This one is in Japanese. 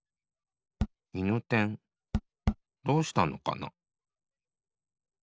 いぬてんどうしたのかな？